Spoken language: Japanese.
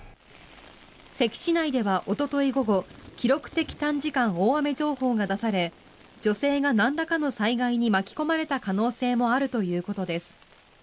関市内ではおととい午後記録的短時間大雨情報が出され女性がなんらかの災害に巻き込まれた可能性もあるということです。